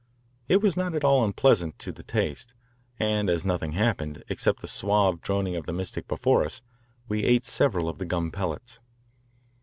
It was not at all unpleasant to the taste, and as nothing happened, except the suave droning of the mystic before us, we ate several of the gum pellets.